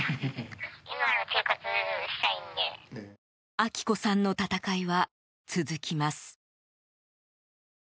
明子さんの闘いは続きます。